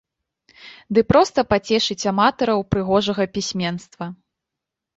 Ды проста пацешыць аматараў прыгожага пісьменства.